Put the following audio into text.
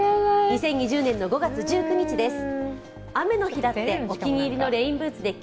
２０２０年５月１９日です。